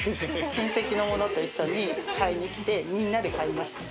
親戚の者と一緒に買いに来てみんなで買いました